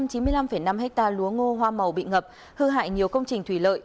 hơn chín mươi năm năm hectare lúa ngô hoa màu bị ngập hư hại nhiều công trình thủy lợi